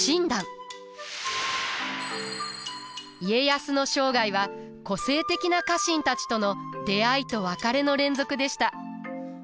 家康の生涯は個性的な家臣たちとの出会いと別れの連続でした。